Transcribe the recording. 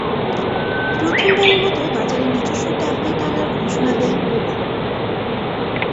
প্রথমবারের মত বাজারে নিজস্ব ট্যাবলেট আনার ঘোষণা দেই গুগল।